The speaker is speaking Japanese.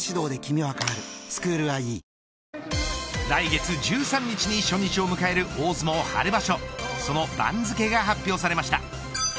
来月１３日に初日を迎える大相撲春場所その番付が発表されました。